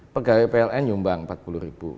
pegawai pln nyumbang empat puluh ribu